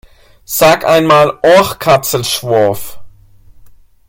Sag ein mal "Oachkatzlschwoaf"!